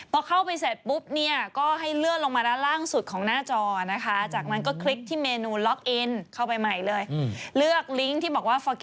พอเข้าไปเสร็จปุ๊บ